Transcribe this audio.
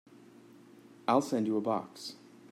I'll send you a box.